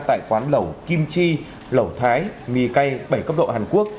tại quán lẩu kim chi lẩu thái mì cây bảy cấp độ hàn quốc